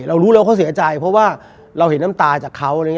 เรารู้แล้วเขาเสียใจเพราะว่าเราเห็นน้ำตาจากเขาอะไรอย่างนี้